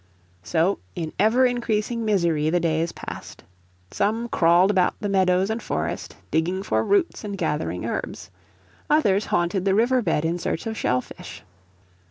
So in ever increasing misery the days passed. Some crawled about the meadows and forest, digging for roots and gathering herbs. Others haunted the river bed in search of shell fish.